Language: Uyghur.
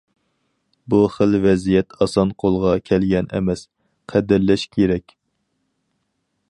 بۇ خىل ۋەزىيەت ئاسان قولغا كەلگەن ئەمەس، قەدىرلەش كېرەك.